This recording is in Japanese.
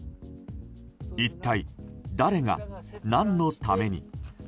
一体、誰が何のために。